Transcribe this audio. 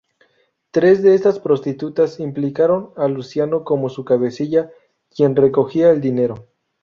Tres de estas prostitutas implicaron a Luciano como su cabecilla, quien recogía el dinero.